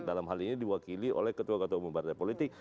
dalam hal ini diwakili oleh ketua ketua umum partai politik